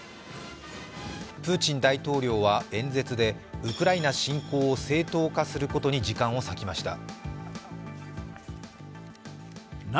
プーチン大統領は演説でウクライナ侵攻を正当化することに時間を割きました。